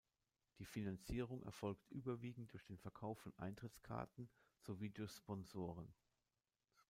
Die Finanzierung erfolgt überwiegend durch den Verkauf von Eintrittskarten sowie durch Sponsoren.